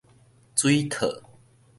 水套